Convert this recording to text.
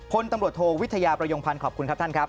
พลตำรวจโทวิทยาประยงพันธ์ขอบคุณครับท่านครับ